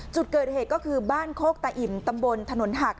จุดเกิดเหตุก็คือบ้านโคกตะอิ่มตำบลถนนหัก